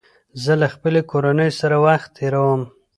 زه له خپلې کورنۍ سره وخت تېروم